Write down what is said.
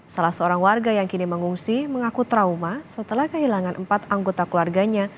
salah seorang warga yang kini mengungsi mengaku trauma setelah kehilangan empat anggota keluarganya